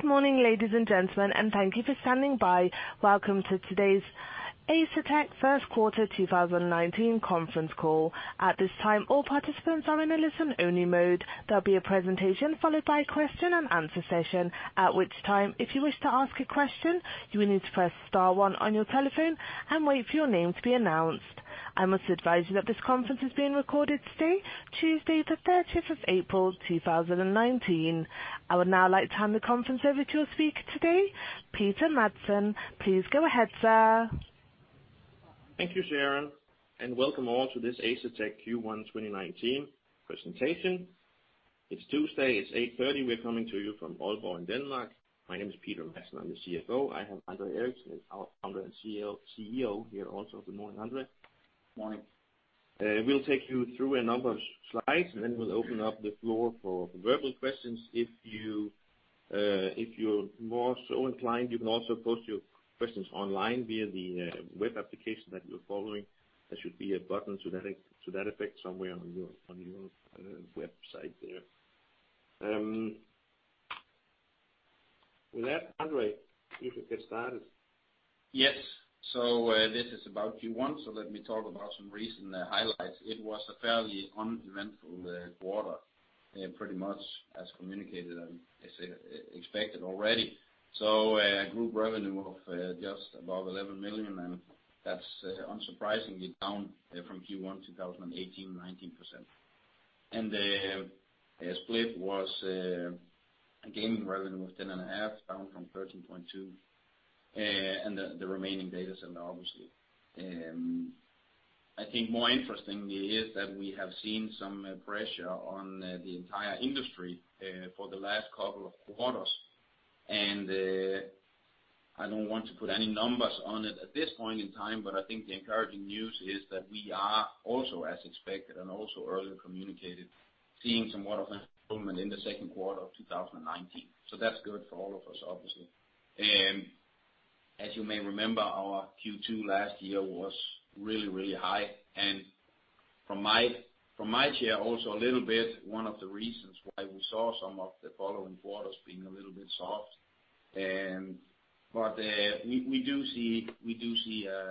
Good morning, ladies and gentlemen, thank you for standing by. Welcome to today's Asetek First Quarter 2019 Conference Call. At this time, all participants are in a listen-only mode. There'll be a presentation followed by a question-and-answer session. At which time, if you wish to ask a question, you will need to press star one on your telephone and wait for your name to be announced. I must advise you that this conference is being recorded today, Tuesday the 30th of April, 2019. I would now like to hand the conference over to your speaker today, Peter Madsen. Please go ahead, sir. Thank you, Sharon, welcome all to this Asetek Q1 2019 presentation. It's Tuesday, it's 8:30 A.M. We're coming to you from Aalborg in Denmark. My name is Peter Madsen, I'm the CFO. I have André Eriksen, our Founder and CEO here also. Good morning, André. Morning. We'll take you through a number of slides then we'll open up the floor for verbal questions. If you're more so inclined, you can also post your questions online via the web application that you're following. There should be a button to that effect somewhere on your website there. With that, André, you should get started. Yes. This is about Q1, let me talk about some recent highlights. It was a fairly uneventful quarter, pretty much as communicated and expected already. Group revenue of just above $11 million, that's unsurprisingly down from Q1 2018, 19%. The split was, gaming revenue of $10.5 million, down from $13.2 million, and the remaining data center, obviously. I think more interestingly is that we have seen some pressure on the entire industry for the last couple of quarters. I don't want to put any numbers on it at this point in time, but I think the encouraging news is that we are also, as expected, and also earlier communicated, seeing some waterfront improvement in the second quarter of 2019. That's good for all of us, obviously. As you may remember, our Q2 last year was really, really high, and from my chair also a little bit, one of the reasons why we saw some of the following quarters being a little bit soft. We do see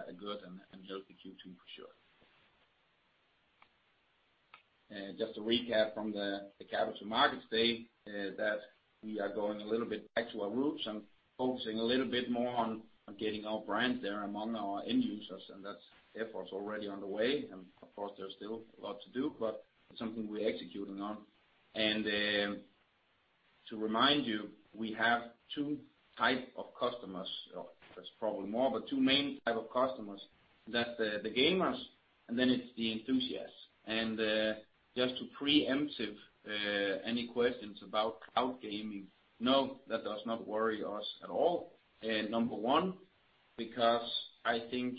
a good and healthy Q2 for sure. Just to recap from the Capital Markets Day, that we are going a little bit back to our roots and focusing a little bit more on getting our brand there among our end users, and that effort's already on the way. Of course, there's still a lot to do, but it's something we're executing on. To remind you, we have two type of customers. There's probably more, but two main type of customers. That's the gamers, and then it's the enthusiasts. Just to preempt any questions about cloud gaming, no, that does not worry us at all. Number one, because I think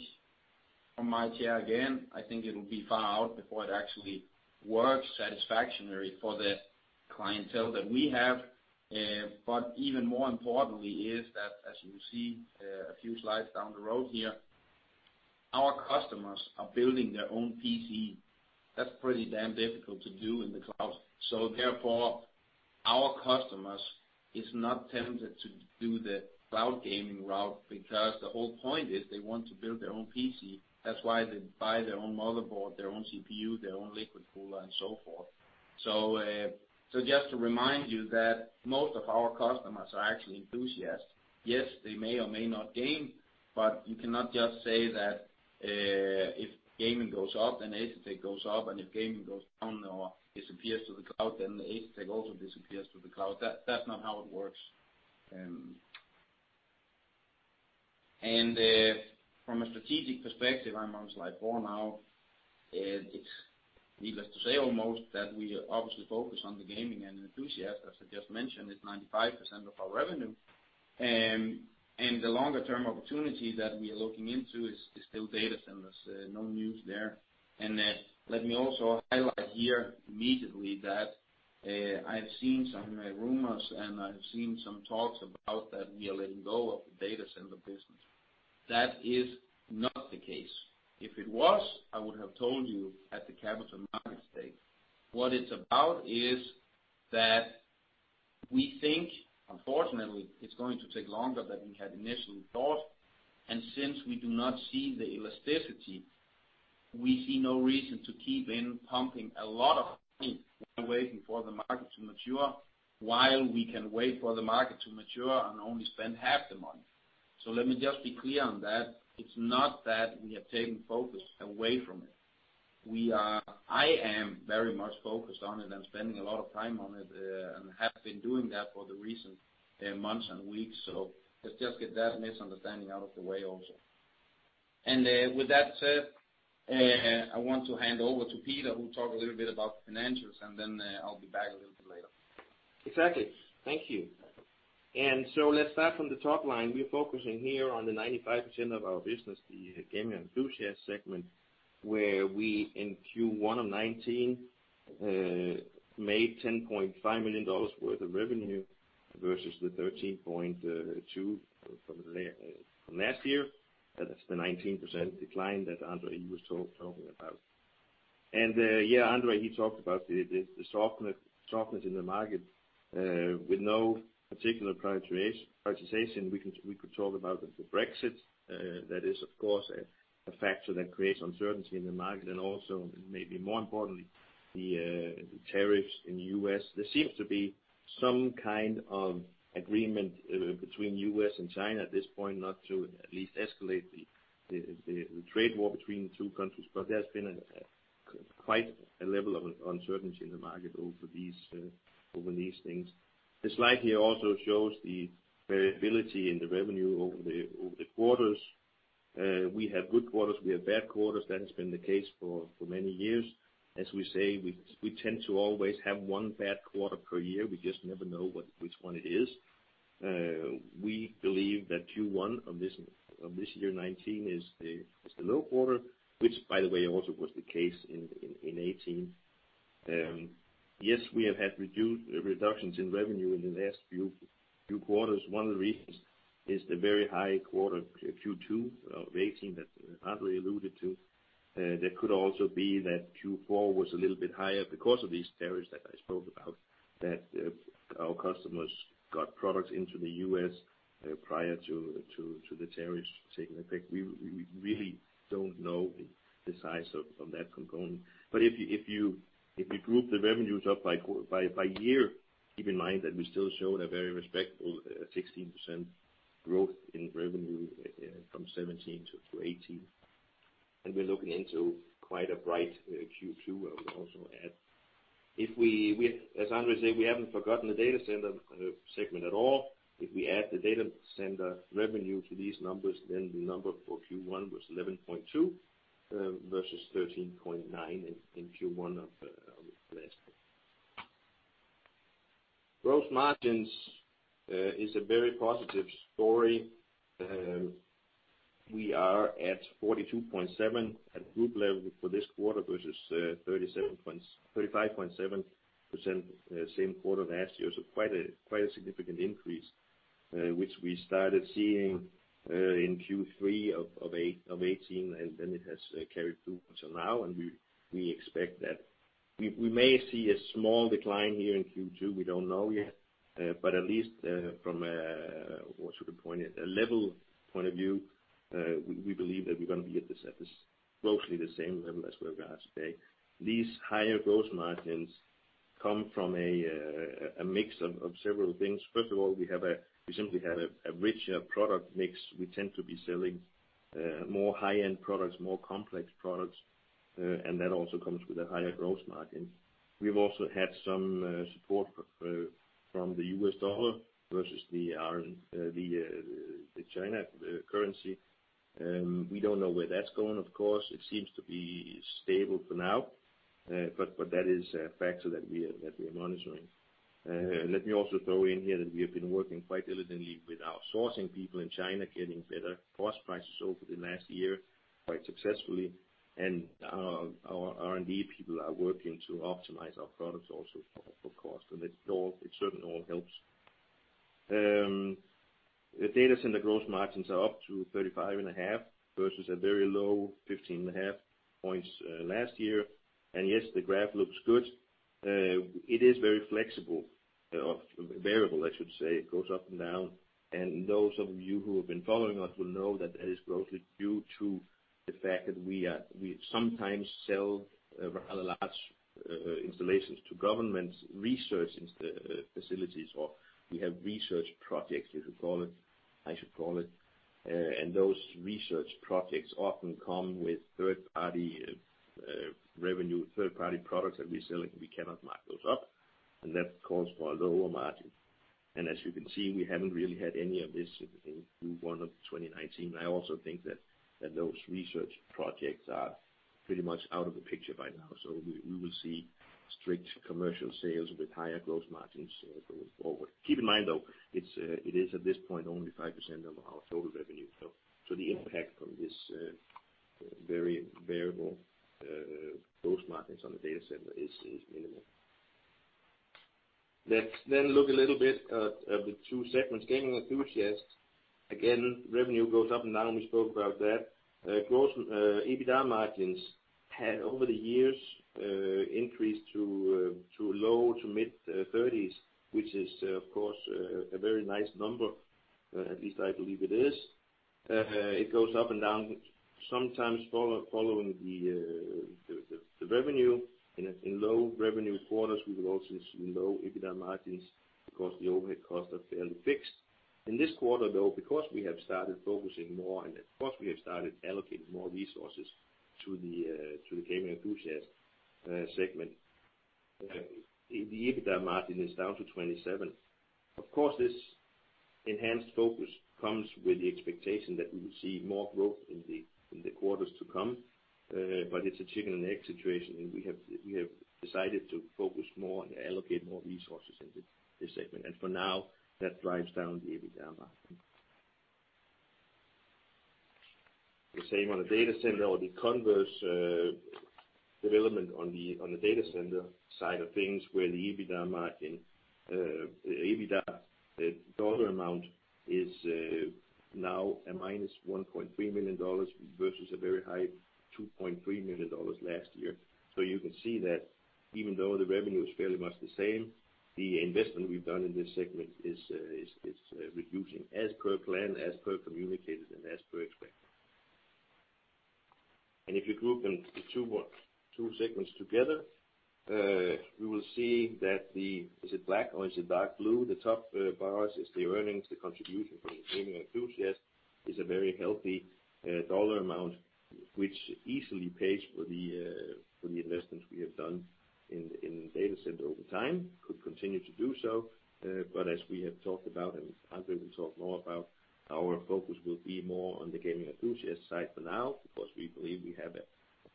from my chair, again, I think it'll be far out before it actually works satisfactorily for the clientele that we have. Even more importantly is that as you see a few slides down the road here, our customers are building their own PC. That's pretty damn difficult to do in the cloud. Therefore, our customer is not tempted to do the cloud gaming route because the whole point is they want to build their own PC. That's why they buy their own motherboard, their own CPU, their own liquid cooler and so forth. Just to remind you that most of our customers are actually enthusiasts. Yes, they may or may not game, you cannot just say that if gaming goes up, then Asetek goes up, and if gaming goes down or disappears to the cloud, then Asetek also disappears to the cloud. That's not how it works. From a strategic perspective, I'm on slide four now. It's needless to say almost that we obviously focus on the Gaming and Enthusiast, as I just mentioned, it's 95% of our revenue. The longer-term opportunity that we are looking into is still data centers. No news there. Let me also highlight here immediately that I've seen some rumors and I've seen some talks about that we are letting go of the data center business. That is not the case. If it was, I would have told you at the Capital Markets Day. What it's about is that we think, unfortunately, it's going to take longer than we had initially thought, and since we do not see the elasticity, we see no reason to keep in pumping a lot of money while waiting for the market to mature, while we can wait for the market to mature and only spend half the money. Let me just be clear on that. It's not that we have taken focus away from it. I am very much focused on it. I'm spending a lot of time on it, and have been doing that for the recent months and weeks. Let's just get that misunderstanding out of the way also. With that said, I want to hand over to Peter, who'll talk a little bit about the financials, and then I'll be back a little bit later. Exactly. Thank you. Let's start from the top line. We're focusing here on the 95% of our business, the Gaming Enthusiast segment, where we, in Q1 of 2019, made $10.5 million worth of revenue versus $13.2 million from last year. That's the 19% decline that André, you were talking about. Yeah, André, he talked about the softness in the market with no particular prioritization. We could talk about the Brexit. That is, of course, a factor that creates uncertainty in the market, and also maybe more importantly, the tariffs in the U.S. There seems to be some kind of agreement between U.S. and China at this point, not to at least escalate the trade war between the two countries. There's been quite a level of uncertainty in the market over these things. The slide here also shows the variability in the revenue over the quarters. We have good quarters, we have bad quarters. That has been the case for many years. As we say, we tend to always have one bad quarter per year. We just never know which one it is. We believe that Q1 of this year 2019 is the low quarter, which by the way, also was the case in 2018. Yes, we have had reductions in revenue in the last few quarters. One of the reasons is the very high quarter Q2 of 2018 that André alluded to. That could also be that Q4 was a little bit higher because of these tariffs that I spoke about, that our customers got products into the U.S. prior to the tariffs taking effect. We really don't know the size of that component. If you group the revenues up by year, keep in mind that we still showed a very respectable 16% growth in revenue from 2017 to 2018. We're looking into quite a bright Q2, I would also add. As André said, we haven't forgotten the data center segment at all. If we add the data center revenue to these numbers, then the number for Q1 was $11.2 million versus $13.9 million in Q1 of last year. Gross margins is a very positive story. We are at 42.7% at group level for this quarter versus 35.7% the same quarter last year. Quite a significant increase, which we started seeing in Q3 of 2018, then it has carried through until now. We expect that we may see a small decline here in Q2, we don't know yet. At least from a, what's a good point here, a level point of view, we believe that we're going to be at mostly the same level as we were last pay. These higher gross margins come from a mix of several things. First of all, we simply have a richer product mix. We tend to be selling more high-end products, more complex products, that also comes with a higher gross margin. We've also had some support from the U.S. dollar versus the China currency. We don't know where that's going, of course. It seems to be stable for now. That is a factor that we are monitoring. Let me also throw in here that we have been working quite diligently with our sourcing people in China, getting better cost prices over the last year quite successfully. Our R&D people are working to optimize our products also for cost. It certain all helps. The data center gross margins are up to 35.5% versus a very low 15.5% last year. Yes, the graph looks good. It is very flexible, variable, I should say. It goes up and down. Those of you who have been following us will know that that is mostly due to the fact that we sometimes sell rather large installations to governments, research facilities, or we have research projects, I should call it. Those research projects often come with third-party revenue, third-party products that we are selling, we cannot mark those up, and that calls for a lower margin. As you can see, we have not really had any of this in Q1 of 2019. I also think that those research projects are pretty much out of the picture by now. We will see strict commercial sales with higher gross margins going forward. Keep in mind though, it is at this point only 5% of our total revenue. The impact from this very variable gross margins on the data center is minimal. Let us look a little bit at the two segments, Gaming and Enthusiast. Again, revenue goes up and down. We spoke about that. EBITDA margins had, over the years, increased to low to mid-30s, which is of course a very nice number, at least I believe it is. It goes up and down, sometimes following the revenue. In low revenue quarters, we will also see low EBITDA margins because the overhead costs are fairly fixed. In this quarter, though, because we have started focusing more and of course, we have started allocating more resources to the Gaming and Enthusiast segment, the EBITDA margin is down to 27%. Of course, this enhanced focus comes with the expectation that we will see more growth in the quarters to come. It is a chicken and egg situation, and we have decided to focus more and allocate more resources in this segment. For now, that drives down the EBITDA margin. The same on the data center or the converse development on the data center side of things where the EBITDA dollar amount is now a minus $1.3 million versus a very high $2.3 million last year. You can see that even though the revenue is fairly much the same, the investment we have done in this segment is reducing as per plan, as per communicated, and as per expected. If you group the two segments together, we will see that the, is it black or is it dark blue? The top bars is the earnings. The contribution from the Gaming and Enthusiast is a very healthy dollar amount, which easily pays for the investments we have done in data center over time, could continue to do so. As we have talked about, and André will talk more about, our focus will be more on the Gaming and Enthusiast side for now, because we believe we have a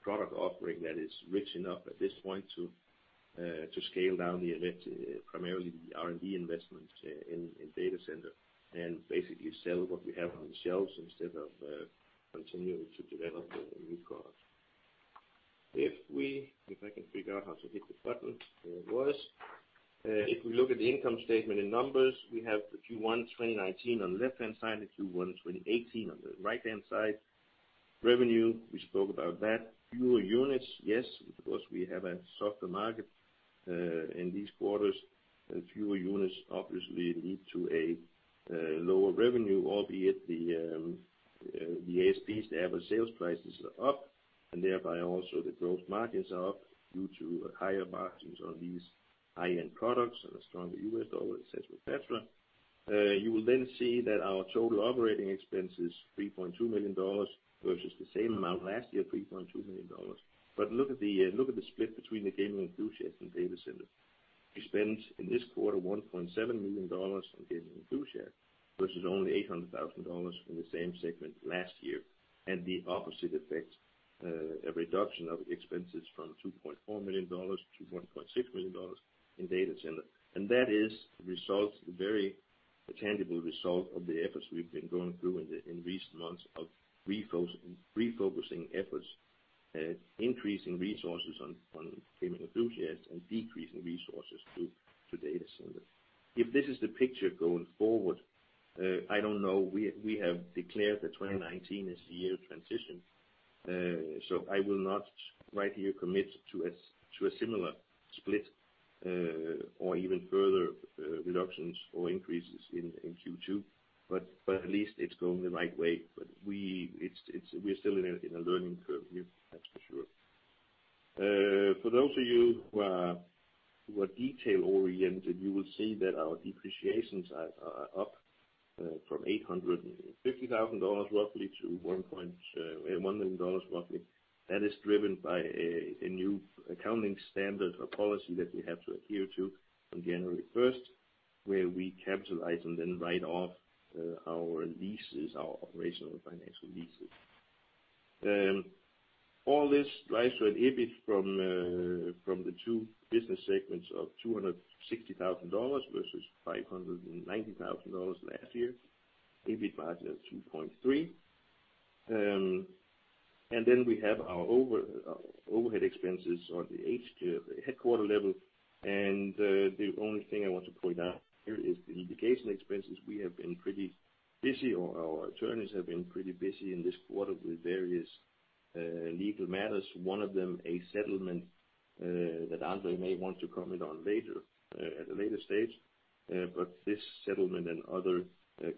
product offering that is rich enough at this point to scale down primarily the R&D investment in data center. Basically sell what we have on the shelves instead of continuing to develop new products. If I can figure out how to hit the button. There it was. If we look at the income statement in numbers, we have the Q1 2019 on the left-hand side, the Q1 2018 on the right-hand side. Revenue, we spoke about that. Fewer units, yes, because we have a softer market, in these quarters, fewer units obviously lead to a lower revenue, albeit the ASPs, the average sales prices, are up, and thereby also the gross margins are up due to higher margins on these high-end products and a stronger US dollar, et cetera. You will see that our total operating expense is $3.2 million versus the same amount last year, $3.2 million. Look at the split between the Gaming and Enthusiast and Data Center. We spent, in this quarter, $1.7 million on Gaming and Enthusiast versus only $800,000 in the same segment last year. The opposite effect, a reduction of expenses from $2.4 million to $1.6 million in Data Center. That is a very tangible result of the efforts we've been going through in recent months of refocusing efforts, increasing resources on Gaming and Enthusiast and decreasing resources to Data Center. If this is the picture going forward, I don't know. We have declared that 2019 is the year of transition, I will not right here commit to a similar split, or even further reductions or increases in Q2. At least it's going the right way. We're still in a learning curve here, that's for sure. For those of you who are detail-oriented, you will see that our depreciations are up from $850,000 roughly to $1 million roughly. That is driven by a new accounting standard or policy that we have to adhere to on January 1st, where we capitalize and then write off our leases, our operational financial leases. All this drives an EBIT from the two business segments of $260,000 versus $590,000 last year. EBIT margin of 2.3. We have our overhead expenses on the HQ, the headquarter level. The only thing I want to point out here is the litigation expenses. We have been pretty busy, or our attorneys have been pretty busy in this quarter with various legal matters. One of them, a settlement that André may want to comment on at a later stage. This settlement and other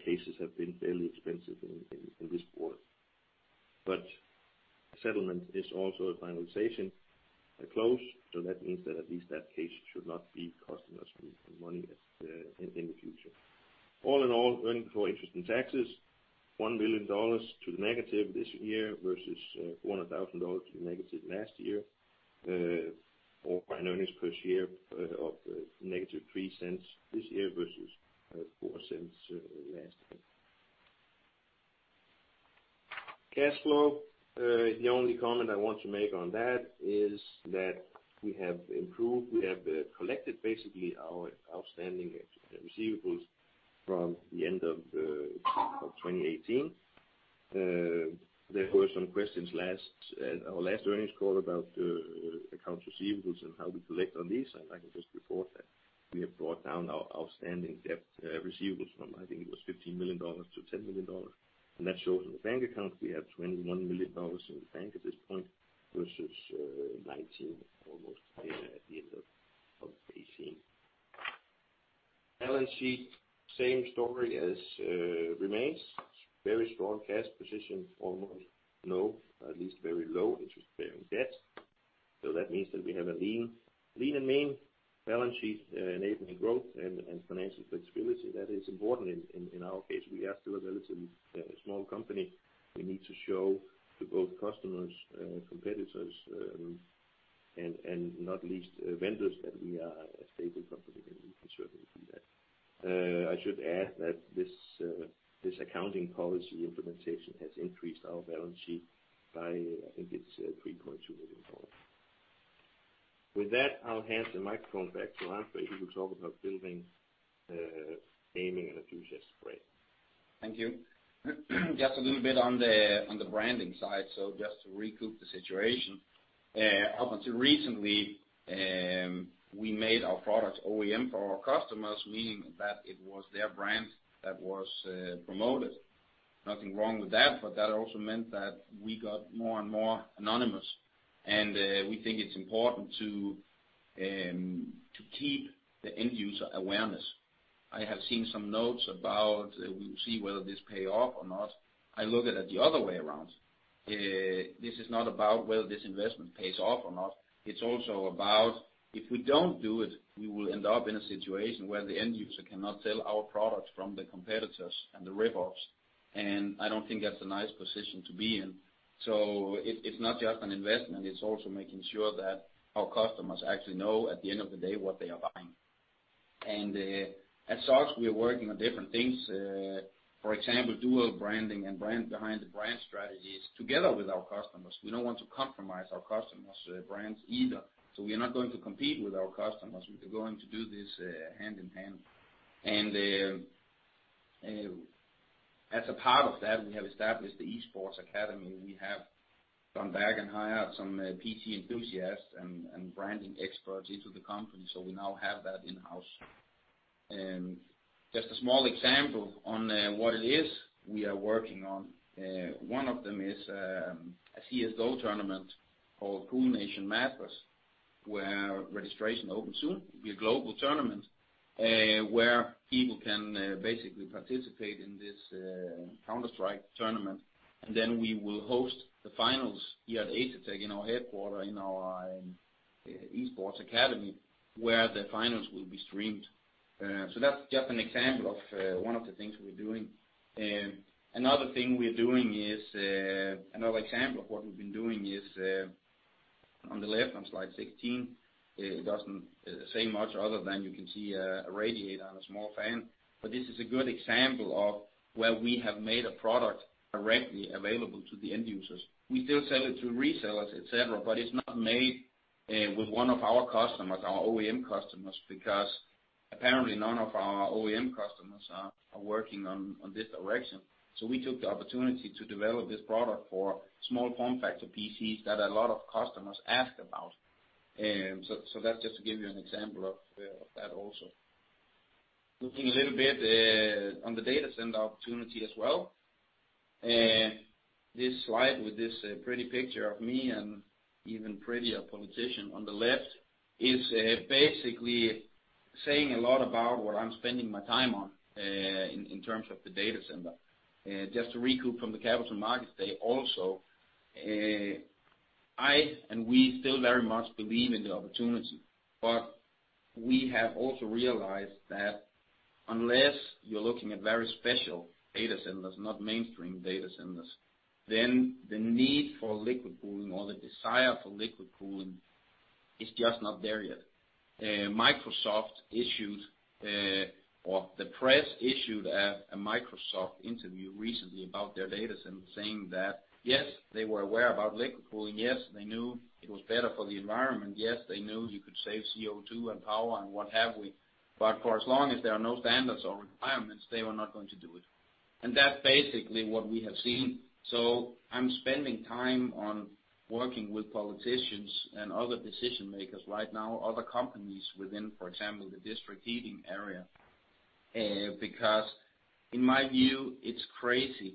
cases have been fairly expensive in this quarter. The settlement is also a finalization, a close, that means that at least that case should not be costing us any money in the future. All in all, earning before interest and taxes, $1 million to the negative this year versus $1,000 to the negative last year. Earnings per share of -$0.03 this year versus $0.04 last year. Cash flow. The only comment I want to make on that is that we have improved, we have collected basically our outstanding receivables from the end of 2018. There were some questions at our last earnings call about accounts receivables and how we collect on these, I can just report that we have brought down our outstanding debt receivables from, I think it was $15 million to $10 million. That shows in the bank account. We have $21 million in the bank at this point versus $19 million almost at the end of 2018. Balance sheet, same story remains. Very strong cash position, almost no, at least very low interest-bearing debt. That means that we have a lean and mean balance sheet enabling growth and financial flexibility. That is important in our case. We are still a relatively small company. We need to show to both customers, competitors, and not least vendors, that we are a stable company, and we can certainly do that. I should add that this accounting policy implementation has increased our balance sheet by, I think it's $3.2 million. With that, I'll hand the microphone back to André, who will talk about building Gaming and Enthusiast. Great. Thank you. Just a little bit on the branding side. Just to recoup the situation. Up until recently, we made our products OEM for our customers, meaning that it was their brand that was promoted. Nothing wrong with that, but that also meant that we got more and more anonymous. We think it's important to keep the end-user awareness. I have seen some notes about we will see whether this pay off or not. I look at it the other way around. This is not about whether this investment pays off or not. It's also about if we don't do it, we will end up in a situation where the end user cannot tell our products from the competitors and the rip-offs. I don't think that's a nice position to be in. It's not just an investment, it's also making sure that our customers actually know at the end of the day what they are buying. At SARS, we are working on different things. For example, dual branding and brand behind the brand strategies together with our customers. We don't want to compromise our customers' brands either. We are not going to compete with our customers. We are going to do this hand in hand. As a part of that, we have established the Esports Academy. We have gone back and hired some PC enthusiasts and branding experts into the company, so we now have that in-house. Just a small example on what it is we are working on. One of them is a CS:GO tournament called CoolNation Masters, where registration open soon. It'll be a global tournament, where people can basically participate in this Counter-Strike tournament. We will host the finals here at Asetek in our headquarter, in our Esports Academy, where the finals will be streamed. That's just an example of one of the things we're doing. Another example of what we've been doing is on the left on slide 16. It doesn't say much other than you can see a radiator and a small fan, but this is a good example of where we have made a product directly available to the end users. We still sell it to resellers, et cetera, but it's not made with one of our customers, our OEM customers, because apparently none of our OEM customers are working on this direction. We took the opportunity to develop this product for small form factor PCs that a lot of customers ask about. That's just to give you an example of that also. Looking a little bit on the data center opportunity as well. This slide with this pretty picture of me and even prettier politician on the left is basically saying a lot about what I'm spending my time on, in terms of the data center. Just to recoup from the Capital Markets Day also, I and we still very much believe in the opportunity. We have also realized that unless you're looking at very special data centers, not mainstream data centers, then the need for liquid cooling or the desire for liquid cooling is just not there yet. Microsoft issued, or the press issued a Microsoft interview recently about their data center saying that, yes, they were aware about liquid cooling. Yes, they knew it was better for the environment. Yes, they knew you could save CO2 and power and what have we. For as long as there are no standards or requirements, they were not going to do it. That's basically what we have seen. I'm spending time on working with politicians and other decision-makers right now, other companies within, for example, the district heating area. Because in my view, it's crazy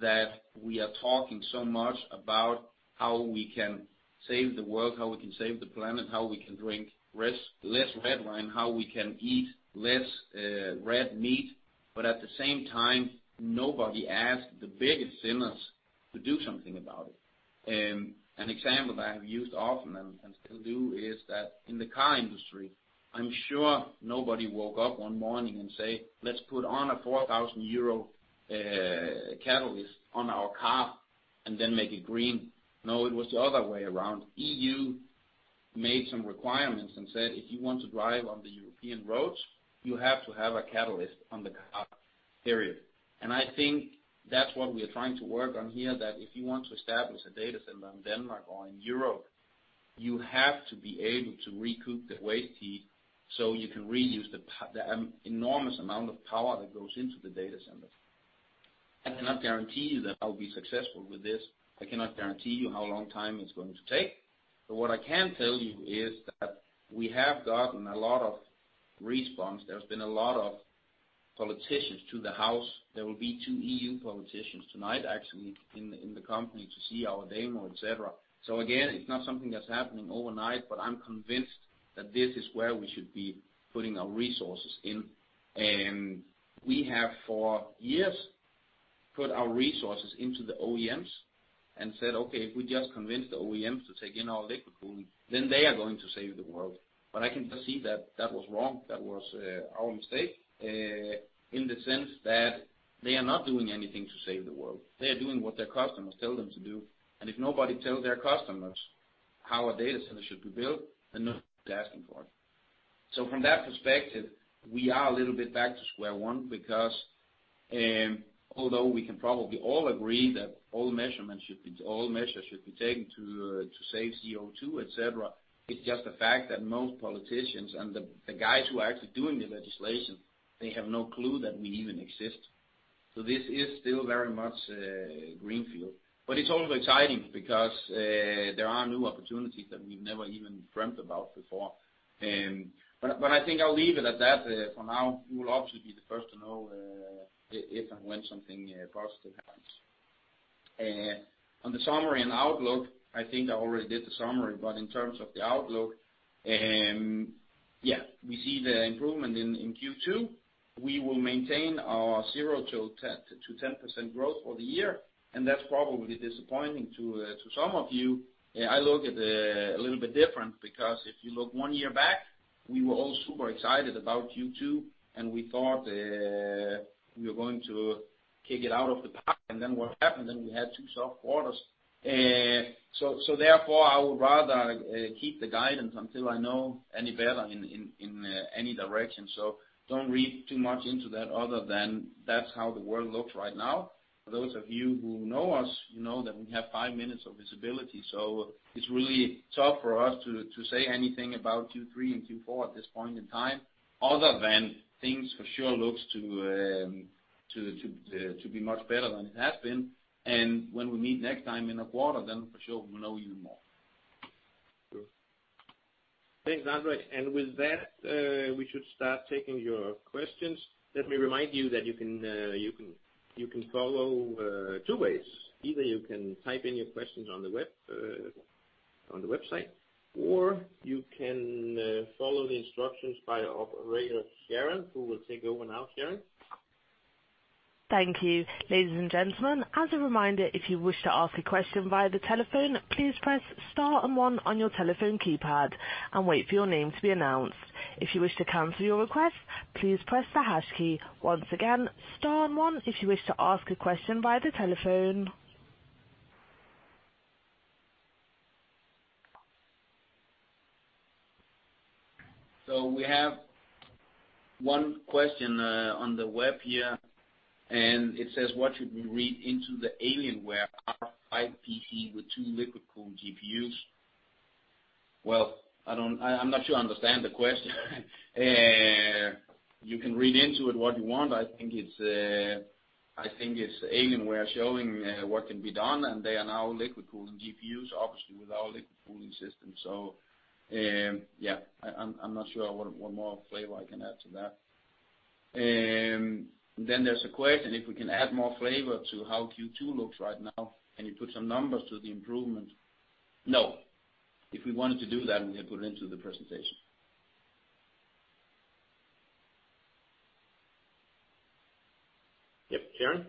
that we are talking so much about how we can save the world, how we can save the planet, how we can drink less red wine, how we can eat less red meat, but at the same time, nobody asked the biggest sinners to do something about it. An example that I have used often and still do is that in the car industry, I'm sure nobody woke up one morning and say, "Let's put on a 4,000 euro catalyst on our car and then make it green." No, it was the other way around. EU made some requirements and said, "If you want to drive on the European roads, you have to have a catalyst on the car, period." I think that's what we are trying to work on here, that if you want to establish a data center in Denmark or in Europe, you have to be able to recoup the waste heat so you can reuse the enormous amount of power that goes into the data centers. I cannot guarantee you that I'll be successful with this. I cannot guarantee you how long time it's going to take. What I can tell you is that we have gotten a lot of response. There's been a lot of politicians to the house. There will be two EU politicians tonight, actually, in the company to see our demo, et cetera. Again, it's not something that's happening overnight, but I'm convinced that this is where we should be putting our resources in. We have for years put our resources into the OEMs and said, "Okay, if we just convince the OEMs to take in our liquid cooling, then they are going to save the world." I can perceive that was wrong. That was our mistake, in the sense that they are not doing anything to save the world. They are doing what their customers tell them to do. If nobody tell their customers how a data center should be built, they're not asking for it. From that perspective, we are a little bit back to square one because although we can probably all agree that all measures should be taken to save CO2, et cetera, it's just the fact that most politicians and the guys who are actually doing the legislation, they have no clue that we even exist. This is still very much a greenfield. It's also exciting because there are new opportunities that we've never even dreamt about before. I think I'll leave it at that for now. You will obviously be the first to know if and when something positive happens. On the summary and outlook, I think I already did the summary, but in terms of the outlook, we see the improvement in Q2. We will maintain our 0%-10% growth for the year, and that's probably disappointing to some of you. I look at it a little bit different because if you look one year back, we were all super excited about Q2, and we thought we were going to kick it out of the park, and then what happened then, we had two soft quarters. Therefore, I would rather keep the guidance until I know any better in any direction. Don't read too much into that other than that's how the world looks right now. For those of you who know us, you know that we have five minutes of visibility, so it's really tough for us to say anything about Q3 and Q4 at this point in time, other than things for sure look to be much better than it has been. When we meet next time in a quarter, then for sure we'll know even more. True. Thanks, André. With that, we should start taking your questions. Let me remind you that you can follow two ways. Either you can type in your questions on the website, or you can follow the instructions by operator Sharon, who will take over now. Sharon? Thank you. Ladies and gentlemen, as a reminder, if you wish to ask a question via the telephone, please press star and one on your telephone keypad and wait for your name to be announced. If you wish to cancel your request, please press the hash key. Once again, star and one if you wish to ask a question via the telephone. We have one question on the web here, and it says, What should we read into the Alienware R5 PC with two liquid-cooled GPUs? Well, I'm not sure I understand the question. You can read into it what you want. I think it's Alienware showing what can be done, and they are now liquid-cooled GPUs, obviously, with our liquid cooling system. Yeah. I'm not sure what more flavor I can add to that. There's a question if we can add more flavor to how Q2 looks right now, can you put some numbers to the improvement? No. If we wanted to do that, we'd put it into the presentation. Yep. Sharon?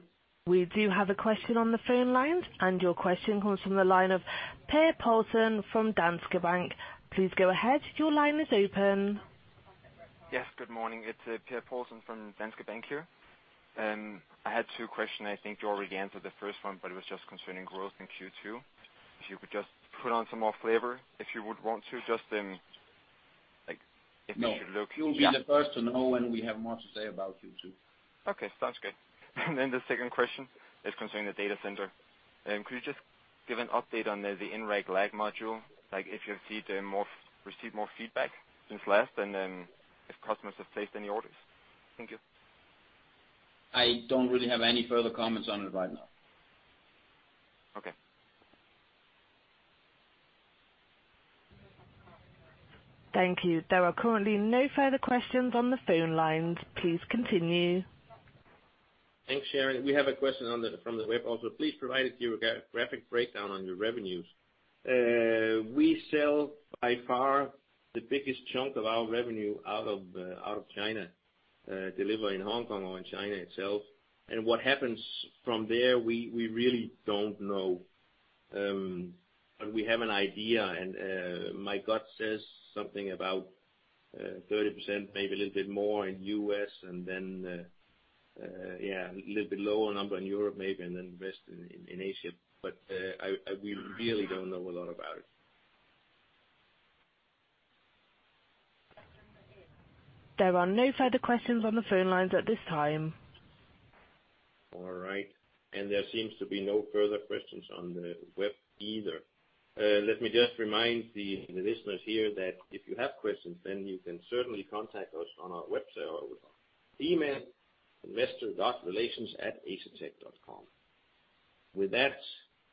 We do have a question on the phone lines. Your question comes from the line of Per Paulsen from Danske Bank. Please go ahead. Your line is open. Yes, good morning. It's Per Paulsen from Danske Bank here. I had two questions. I think you already answered the first one, but it was just concerning growth in Q2. If you could just put on some more flavor, if you would want to, just if you look No. You'll be the first to know when we have more to say about Q2. Okay, sounds good. The second question is concerning the data center. Could you just give an update on the in-rack liquid-cooled module? Like if you've received more feedback since last, and then if customers have placed any orders. Thank you. I don't really have any further comments on it right now. Okay. Thank you. There are currently no further questions on the phone lines. Please continue. Thanks, Sharon. We have a question from the web also. Please provide us your graphic breakdown on your revenues. We sell by far the biggest chunk of our revenue out of China, deliver in Hong Kong or in China itself. What happens from there, we really don't know. We have an idea, and my gut says something about 30%, maybe a little bit more in U.S., and then a little bit lower number in Europe, maybe, and then rest in Asia. We really don't know a lot about it. There are no further questions on the phone lines at this time. All right. There seems to be no further questions on the web either. Let me just remind the listeners here that if you have questions, then you can certainly contact us on our web or email investor.relations@asetek.com. With that,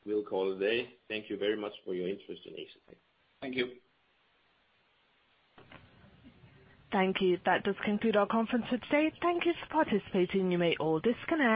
we'll call it a day. Thank you very much for your interest in Asetek. Thank you. Thank you. That does conclude our conference for today. Thank you for participating. You may all disconnect.